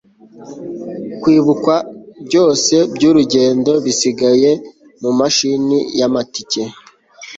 kwibuka byose byurugendo bisigaye mumashini yamatike